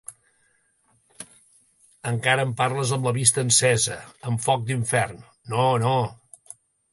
Encara en parles amb la vista encesa, en foc d’infern! No, no!